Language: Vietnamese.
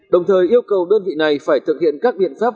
đồng thời yêu cầu đơn vị này phải thực hiện các biện pháp